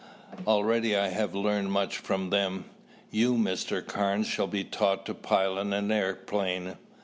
Already I have learned much from them. You, Mr. Carnes shall be taught to pilot an airplane.